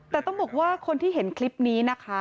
แต่ต้องบอกว่าคนที่เห็นคลิปนี้นะคะ